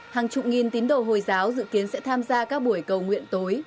hàng chục nghìn tín đồ hồi giáo dự kiến sẽ tham gia các buổi cầu nguyện tối